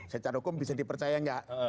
secara hukum bisa dipercaya nggak